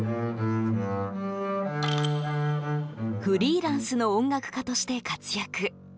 フリーランスの音楽家として活躍。